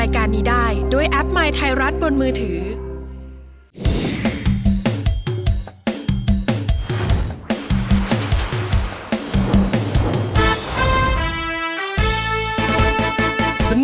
คุณล่ะโหลดหรือยัง